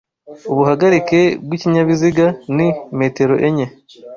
Ubuhagarike bw'ikinyabiziga ni metero enye